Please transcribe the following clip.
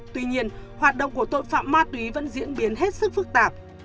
tuy nhiên hoạt động của tội phạm ma túy vẫn diễn biến hết sức phức tạp